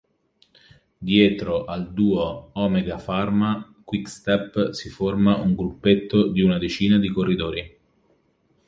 Dietro al duo Omega Pharma-Quickstep si forma un gruppetto di una decina di corridori.